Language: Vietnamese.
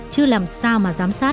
chứ làm sao mà giám sát